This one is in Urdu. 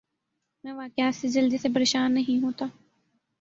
میں واقعات سے جلدی سے پریشان نہیں ہوتا